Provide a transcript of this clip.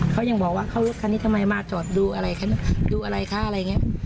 เขายังบอกว่าเขารถคันนี้ทำไมมาจอดดูอะไรดูอะไรคะอะไรอย่างนี้